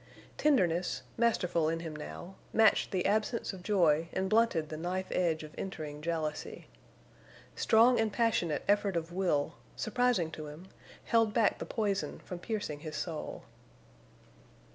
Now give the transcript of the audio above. Tenderness, masterful in him now, matched the absence of joy and blunted the knife edge of entering jealousy. Strong and passionate effort of will, surprising to him, held back the poison from piercing his soul.